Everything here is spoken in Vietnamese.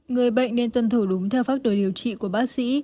người bệnh nên tuân thủ đúng theo pháp đồ điều trị của bác sĩ